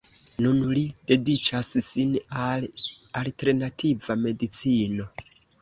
Nun li dediĉas sin al alternativa medicino.